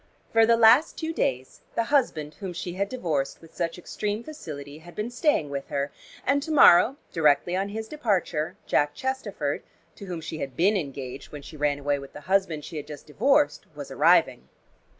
For the last two days, the husband whom she had divorced with such extreme facility had been staying with her, and to morrow, directly on his departure, Jack Chesterford, to whom she had been engaged when she ran away with the husband she had just divorced, was arriving.